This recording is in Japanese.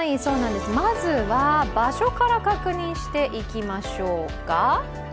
まずは場所から確認していきましょうか。